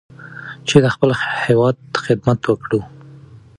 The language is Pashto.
چې د خپل هېواد خدمت وکړو.